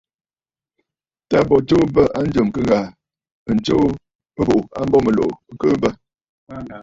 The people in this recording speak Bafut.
Tâ bo tsuu bə̂ a njɨ̀m ɨ kɨ ghàà, ɨ tsuu ɨbùꞌù a mbo mɨ̀lùꞌù ɨ kɨɨ bə.